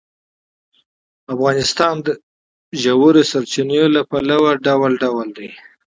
افغانستان د ژورې سرچینې له پلوه متنوع دی.